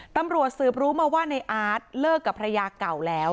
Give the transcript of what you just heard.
ตำรวจสืบรู้มาว่าในอาร์ตเลิกกับภรรยาเก่าแล้ว